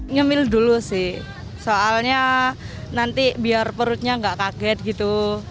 ngemil dulu sih soalnya nanti biar perutnya nggak kaget gitu